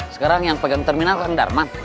sekarang yang pegang terminal kang darman